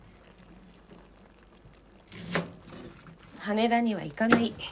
羽田には行かない。